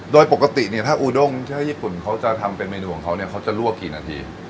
โดยปกติเนี่ยถ้าอูด้งถ้าญี่ปุ่นเขาจะทำเป็นเมนูของเขาเนี่ยเขาจะลวกกี่นาที